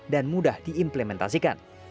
dan mudah diimplementasikan